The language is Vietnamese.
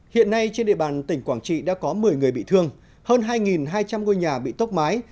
hiện nay trên địa bàn tỉnh quảng trị đã có một mươi người bị thương hơn hai hai trăm linh ngôi nhà bị tốc mái